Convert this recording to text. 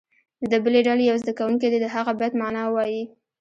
د بلې ډلې یو زده کوونکی دې د هغه بیت معنا ووایي.